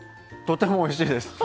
とてもおいしいです。